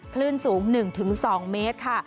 คลื่นสูง๑๒เมตรค่ะ